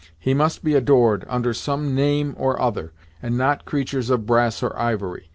"He must be adored, under some name or other, and not creatur's of brass or ivory.